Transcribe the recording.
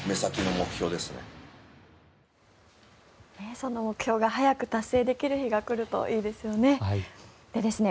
その目標が早く達成できる日が来るといいですよね。